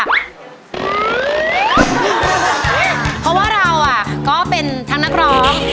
เพราะว่าเราก็เป็นทั้งนักร้อง